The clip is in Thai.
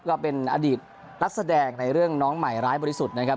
ก็เป็นอดีตนักแสดงในเรื่องน้องใหม่ร้ายบริสุทธิ์นะครับ